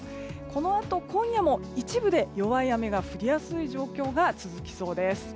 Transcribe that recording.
このあと、今夜も一部で弱い雨が降りやすい状況が続きそうです。